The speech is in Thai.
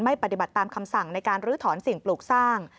ปฏิบัติตามคำสั่งในการลื้อถอนสิ่งปลูกสร้าง